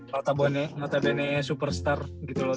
rata bone rata bene superstar gitu loh